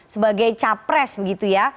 sebagai capres begitu ya